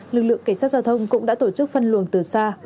lực lượng cảnh sát giao thông cũng đã tổ chức phân luồng từ xa